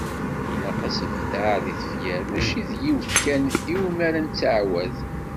Ilaq asebdeɛ deg tefyar, mačči d yiwet kan iwmi ara nettɛawad.